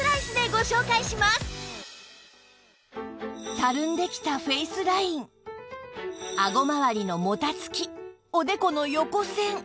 たるんできたあごまわりのもたつきおでこの横線